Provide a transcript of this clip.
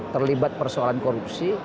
terlibat persoalan korupsi